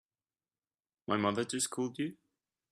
My mother just called you?